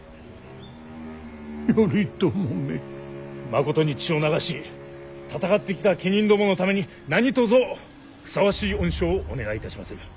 まことに血を流し戦ってきた家人どものために何とぞふさわしい恩賞をお願いいたしまする。